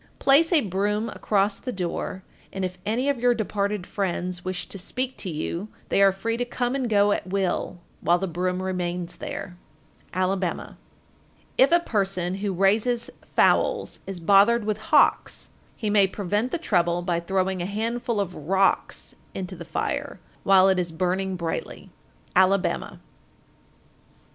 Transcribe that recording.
_ 1474. Place a broom across the door, and if any of your departed friends wish to speak to you they are free to come and go at will while the broom remains there. Alabama. 1475. If a person who raises fowls is bothered with hawks, he may prevent the trouble by throwing a handful of "rocks" into the fire while it is burning brightly. _Alabama.